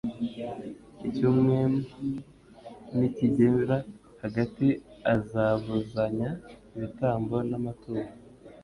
"Icyumwem nikigera hagati, azabuzanya ibitambo n'amaturo."